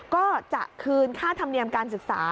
ก็จะคืนค่าธรรมเนียมการศึกษา